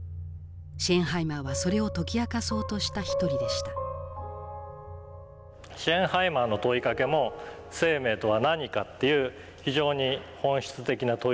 シェーンハイマーはそれを解き明かそうとした一人でしたシェーンハイマーの問いかけも「生命とは何か？」という非常に本質的な問いかけだったんです。